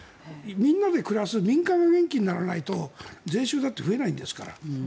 みんなで暮らす民間が元気にならないと税収だって増えないんですから。